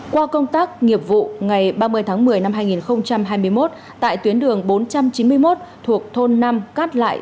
qua công tác nghiệp vụ ngày ba mươi tháng một mươi năm hai nghìn hai mươi một tại tuyến đường bốn trăm chín mươi một thuộc thôn năm cát lại